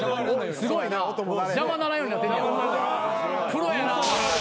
すごいな邪魔ならんようになってんねやプロやな。